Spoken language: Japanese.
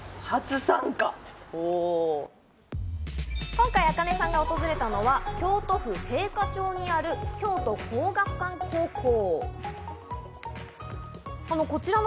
今回、ａｋａｎｅさんが訪れたのは、京都府精華町にある京都廣学館高校。